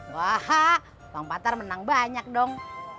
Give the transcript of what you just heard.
wahak bang patar menang banyak dong